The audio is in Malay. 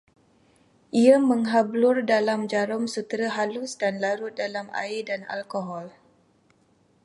Ia menghablur dalam jarum sutera halus dan larut dalam air dan alkohol